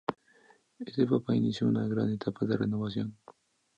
Este papa inició una gran etapa de renovación.